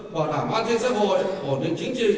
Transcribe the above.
bảo đảm an thiết xã hội hồn định chính trị